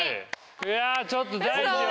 いやちょっと大事よ